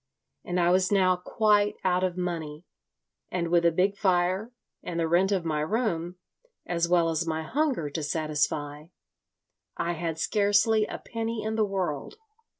And I was now quite out of money; and with a big fire and the rent of my room, as well as my hunger to satisfy, I had scarcely a penny in the world.